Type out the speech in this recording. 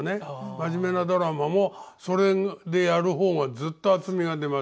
真面目なドラマもそれでやる方がずっと厚みが出ますね。